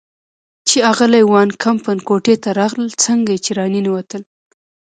چې اغلې وان کمپن کوټې ته راغلل، څنګه چې را ننوتل.